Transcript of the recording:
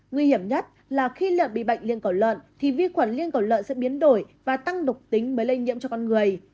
nguy hiểm nhất là khi lợn bị bệnh lên cổ lợn thì vi khuẩn lên cổ lợn sẽ biến đổi và tăng độc tính mới lây nhiễm cho con người